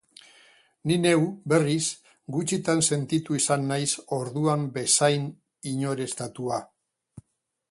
Ni neu, berriz, gutxitan sentitu izan naiz orduan bezain inoreztatua.